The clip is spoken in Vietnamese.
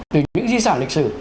từ những di sản lịch sử